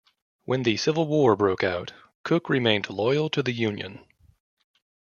When the Civil War broke out, Cooke remained loyal to the Union.